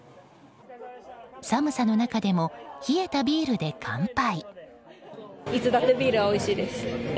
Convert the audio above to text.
寒さの中でも冷えたビールで乾杯。